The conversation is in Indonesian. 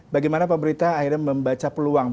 bagaimana pemerintah akhirnya membaca peluang